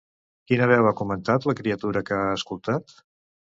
Quina veu ha comentat la criatura que ha escoltat?